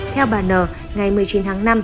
theo bà n ngày một mươi chín tháng năm